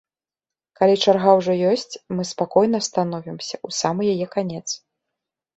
Калі чарга ўжо ёсць, мы спакойна становімся ў самы яе канец.